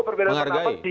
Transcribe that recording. oh perbedaan pendapat